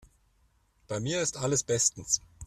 Bei mir ist alles bestens.